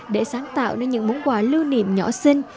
để sáng tạo nên những món quà lưu niệm nhỏ sinh